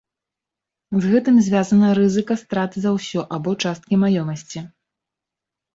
З гэтым звязаны рызыка страт за ўсё або часткі маёмасці.